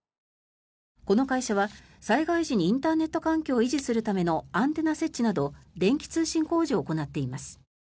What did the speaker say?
この会社は災害時にインターネット環境を維持するためのアンテナ設置など電気通信工事を行っています。